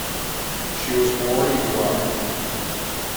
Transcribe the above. She was born in Douai.